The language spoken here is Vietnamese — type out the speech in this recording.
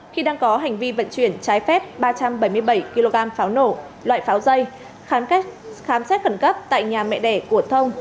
khi đang có hành vi vận chuyển trái phép ba trăm bảy mươi bảy kg pháo nổ loại pháo dây khẩn cấp tại nhà mẹ đẻ của thông